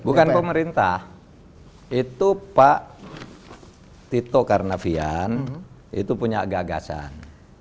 bukan pemerintah itu pak tito karnavian itu punya gagasan